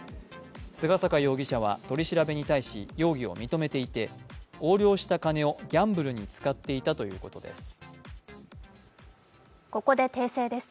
菅坂容疑者は取り調べに対し容疑を認めていて横領した金をギャンブルに使っていたということです。